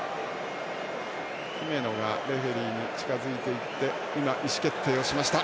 姫野がレフリーに近づいていって意思決定をしました。